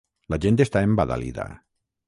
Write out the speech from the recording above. La gent està embadalida.